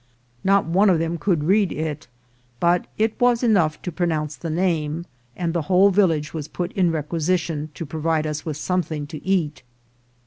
Not one of them could read it, but it was enoVigh to pronounce the name, and the whole village was put in requisition to provide us with something to eat.